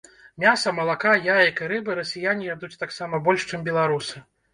Мяса, малака, яек і рыбы расіяне ядуць таксама больш, чым беларусы.